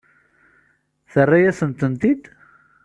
Terra-yasent-tent-id?